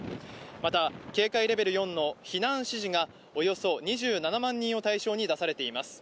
また、警戒レベル４の避難指示がおよそ２７万人を対象に出されています。